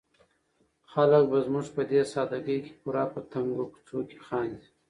خلک به زموږ په دې ساده ګۍ پورې په تنګو کوڅو کې خاندي.